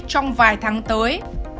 trong vài tháng tới